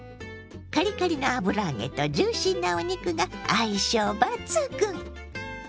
カリカリの油揚げとジューシーなお肉が相性抜群！